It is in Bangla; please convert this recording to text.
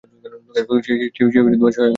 সে সহায়ক হতে পারে।